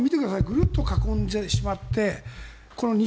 ぐるっと囲んでしまってこの西